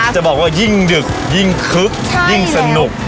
จะบอกว่ายิ่งดึกยิ่งคึกยิ่งสนุก